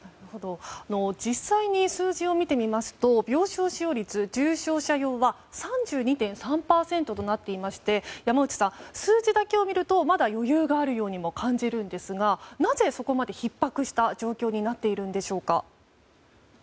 実際に数字を見てみますと病床使用率重症者用は３２．３％となっていて山内さん、数字だけを見てもまだ余裕があるようにも感じるんですがなぜそこまでひっ迫した状況になっているのでしょうか。